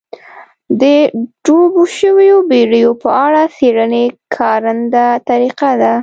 د ډوبو شویو بېړیو په اړه څېړنې کارنده طریقه ده.